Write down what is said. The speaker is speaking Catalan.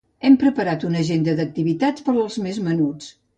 Hem preparat una agenda d'activitats per als més menuts.